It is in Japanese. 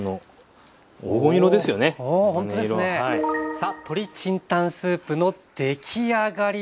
さあ鶏清湯スープの出来上がりです。